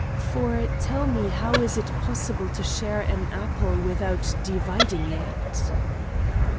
For tell me how is it possible to share an apple without dividing it?"